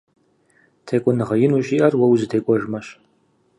ТекӀуэныгъэ ин ущиӀэр уэ узытекӀуэжмэщ.